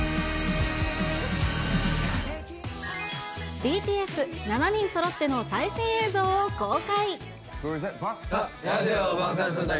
ＢＴＳ、７人そろっての最新映像を公開。